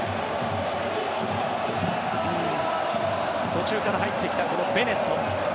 途中から入ってきたこのベネット。